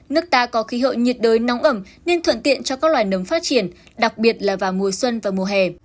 nước ta có khí hậu nhiệt đới nóng ẩm nên thuận tiện cho các loài nấm phát triển đặc biệt là vào mùa xuân và mùa hè